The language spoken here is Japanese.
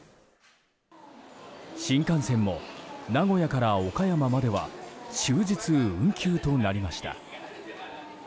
新幹線も、名古屋から岡山までは終日運休となりました。